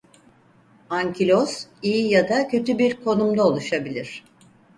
Ankiloz iyi ya da kötü bir konumda oluşabilir.